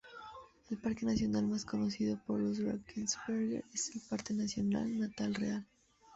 El parque nacional más conocido en los Drakensberg es el Parque Nacional Natal Real.